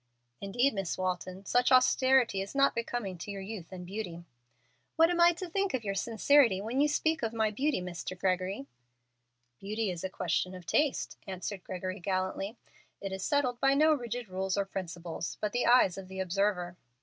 "Indeed, Miss Walton, such austerity is not becoming to your youth and beauty." "What am I to think of your sincerity when you speak of my beauty, Mr. Gregory?" "Beauty is a question of taste," answered Gregory, gallantly. "It is settled by no rigid rules or principles, but by the eyes of the observer."